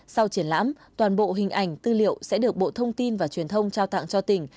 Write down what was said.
sau triển lãm toàn bộ hình ảnh tư liệu sẽ được bộ thông tin và truyền thông trao tặng cho tỉnh